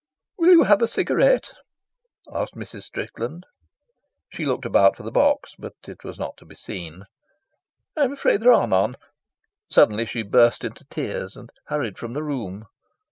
"Will you have a cigarette?" asked Mrs. Strickland. She looked about for the box, but it was not to be seen. "I'm afraid there are none." Suddenly she burst into tears, and hurried from the room.